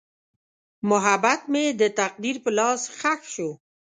محبت مې د تقدیر په لاس ښخ شو.